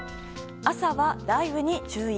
朝は、雷雨に注意。